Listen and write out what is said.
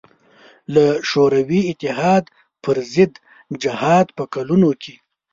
له شوروي اتحاد پر ضد جهاد په کلونو کې.